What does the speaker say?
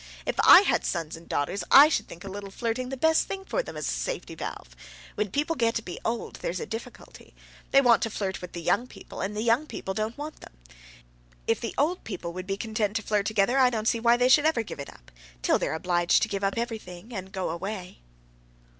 If I had sons and daughters I should think a little flirting the very best thing for them as a safety valve. When people get to be old, there's a difficulty. They want to flirt with the young people and the young people don't want them. If the old people would be content to flirt together, I don't see why they should ever give it up; till they're obliged to give up every thing, and go away."